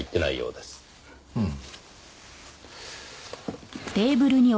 うん。